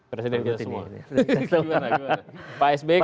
presiden kita semua